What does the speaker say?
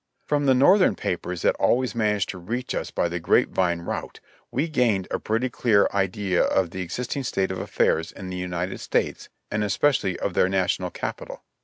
From the Northern papers that always managed to reach us by the grape vine route, we gained a pretty clear idea of the ex isting state of affairs in the United States, and especially of their National Capital.